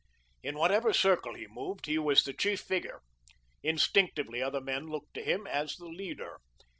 In whatever circle he moved he was the chief figure. Instinctively other men looked to him as the leader.